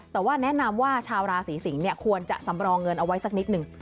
แต่ว่าแนะนำว่าชาวราศีสิงศ์ควรจะสำรองเงินเอาไว้สักนิดหนึ่ง